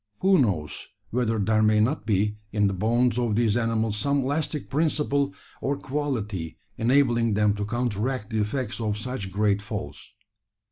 Who knows whether there may not be in the bones of these animals some elastic principle or quality enabling them to counteract the effects of such great falls?